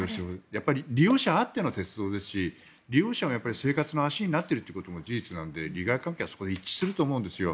やっぱり利用者あっての鉄道ですし利用者の生活の足になっていることも事実ですので利害関係はそこで一致すると思うんです。